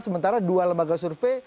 sementara dua lembaga survei